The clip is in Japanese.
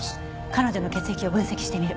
彼女の血液を分析してみる。